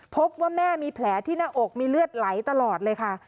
พบว่าแม่มีแผลที่หน้าอกมีเลือดไหลตลอดเลยค่ะ